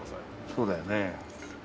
そうだよね。